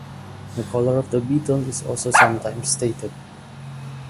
The color of the Beetle is also sometimes stated.